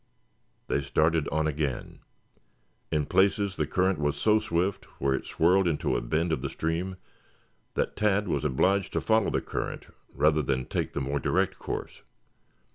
They started on again. In places the current was so swift, where it swirled into a bend of the stream, that Tad was obliged to follow the current, rather than take the more direct course.